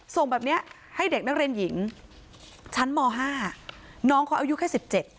ส่งแบบเนี้ยให้เด็กนักเรียนหญิงชั้นม๕น้องเขาอายุแค่สิบเจ็ด